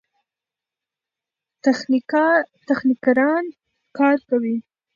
تخنیکران کار کوي.